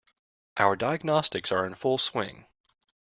Our diagnostics are in full swing.